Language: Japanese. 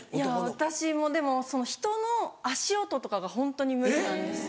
私もでもその人の足音とかがホントに無理なんですよ。